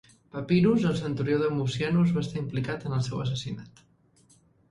Papirus, el centurió de Mucianus, va estar implicat en el seu assassinat.